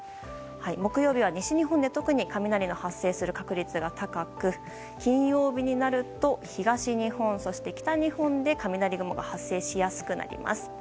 木曜日は西日本で特に雷の発生する確率が高く金曜日になると東日本、北日本で雷雲が発生しやすくなります。